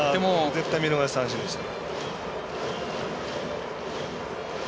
絶対、見逃し三振でした。